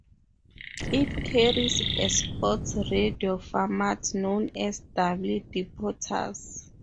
It carries a sports radio format known as W Deportes.